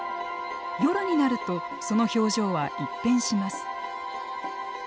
夜になるとその表情は一変します。